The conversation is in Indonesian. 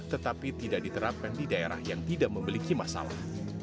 tetapi tidak diterapkan di daerah yang tidak memiliki masalah